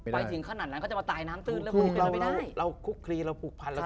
ไปถึงขนาดนั้นเขาจะมาตายน้ำตื้นคุกคลีเราปลูกพัน